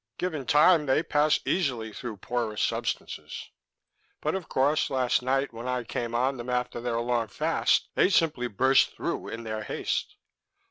"Given time, they pass easily through porous substances. But, of course, last night, when I came on them after their long fast, they simply burst through in their haste."